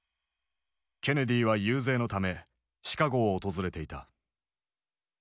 ケネディは遊説のためシカゴを訪れていた。